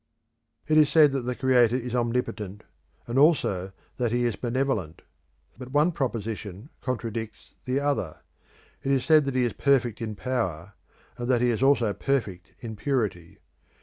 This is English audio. It is said that the Creator is omnipotent, and also that he is benevolent. But one proposition contradicts the other. It is said that he is perfect in power, and that he is also perfect in purity.